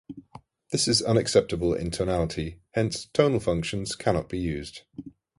This is unacceptable in tonality; hence, tonal functions cannot be used.